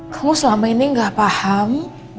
kamu selama ini gak paham